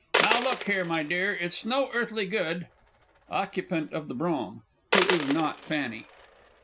_) Now, look here, my dear, it's no earthly good ! OCCUPANT OF THE BROUGHAM. (who is not FANNY).